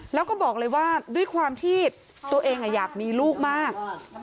แล้วก็บอกเลยว่าด้วยความที่ตัวเองอยากมีลูกมาก